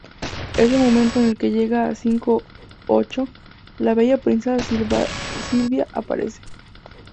En el momento en que llega a ciento ocho, la bella princesa Sylvia aparece.